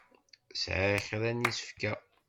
Sɛiɣ kra n yisefka.